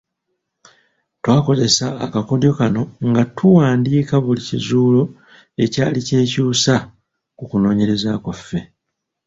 Twakozesa akakodyo kano nga tuwandiika buli kizuulo ekyali kyekuusa ku kunoonyereza kwaffe.